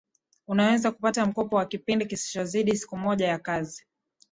unaweza kupata mkopo wa kipindi kisichozidi siku moja ya kazi